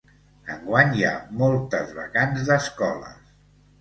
Enguany hi ha moltes vacants d'escoles.